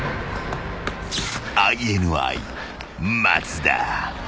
［ＩＮＩ松田］